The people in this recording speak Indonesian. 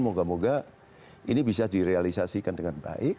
moga moga ini bisa direalisasikan dengan baik